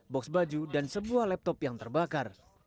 box baju dan sebuah laptop yang terbakar